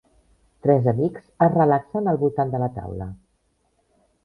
Tres amics es relaxen al voltant de la taula.